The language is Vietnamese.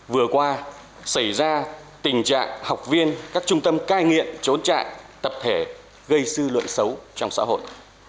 vừa qua xảy ra tình trạng học viên các trung tâm cai nghiện trốn trại tập thể gây dư luận xấu trong xã hội